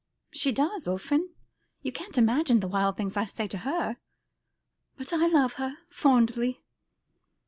"She does, often. You can't imagine the wild things I say to her. But I love her fondly."